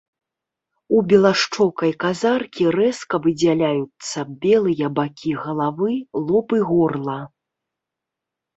У белашчокай казаркі рэзка выдзяляюцца белыя бакі галавы, лоб і горла.